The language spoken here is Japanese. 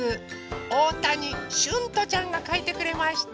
おおたにしゅんとちゃんがかいてくれました。